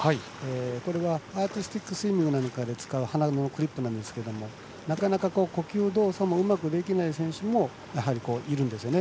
これはアーティスティックスイミングなんかで使う鼻用のクリップなんですがなかなか呼吸動作をうまくできない選手もいるんですよね。